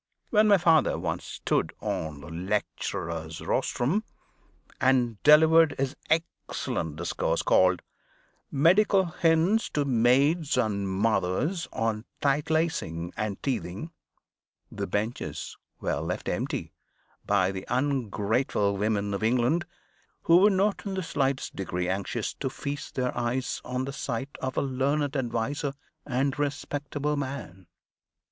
When my father once stood on the lecturer's rostrum, and delivered his excellent discourse, called "Medical Hints to Maids and Mothers on Tight Lacing and Teething," the benches were left empty by the ungrateful women of England, who were not in the slightest degree anxious to feast their eyes on the sight of a learned adviser and respectable man.